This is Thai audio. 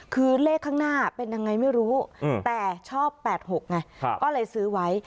คือเลขข้างหน้าเป็นยังไงไม่รู้แต่ชอบ๘๖ไงก็เลยซื้อไว้